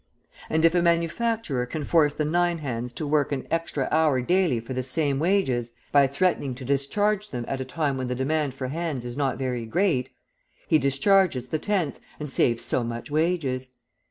And if a manufacturer can force the nine hands to work an extra hour daily for the same wages by threatening to discharge them at a time when the demand for hands is not very great, he discharges the tenth and saves so much wages.